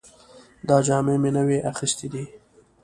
دا جامې مې نوې اخیستې دي